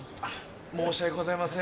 申し訳ございません